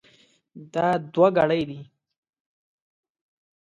دا دوه ګړۍ دي.